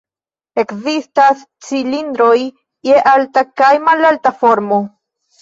Ekzistas cilindroj je alta kaj malalta formo.